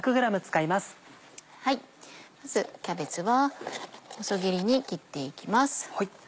まずキャベツは細切りに切っていきます。